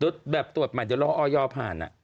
ซึ่งเขาบอกแบบตรวจมันจะรอออยภาษณ์